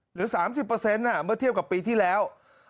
หรือ๓๐เมื่อเทียบกับปีที่แล้ว